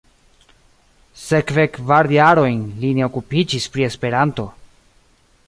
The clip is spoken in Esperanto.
Sekve kvar jarojn li ne okupiĝis pri Esperanto.